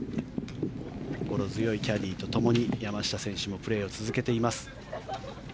心強いキャディーとともに山下選手もプレーを続けています。